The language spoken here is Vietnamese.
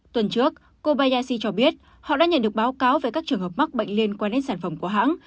tuần trước kobayashi cho biết họ đã nhận được báo cáo về các trường hợp mắc bệnh liên quan đến sản phẩm của hãng